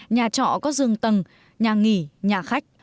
nhà trọ có dương tầng nhà nghỉ nhà khách